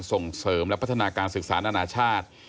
ส่งเสริมและพัฒนาการศึกษานานาชาติ